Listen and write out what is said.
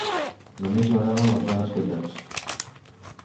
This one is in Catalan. Només m'agraden les dones fetes.